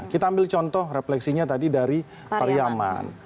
kita ambil contoh refleksinya tadi dari pariyaman